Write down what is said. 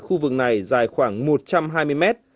khu vực này dài khoảng một trăm hai mươi mét